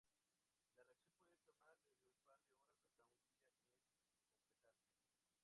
La reacción puede tomar desde un par de horas hasta un día en completarse.